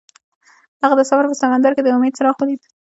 هغه د سفر په سمندر کې د امید څراغ ولید.